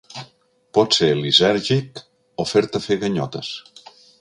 Pot ser lisèrgic o fer-te fer ganyotes.